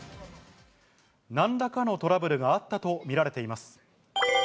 なんらかのトラブルがあったと見られています。